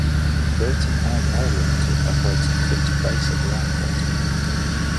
Burton Ag Air Limited operates a fixed base at the airport.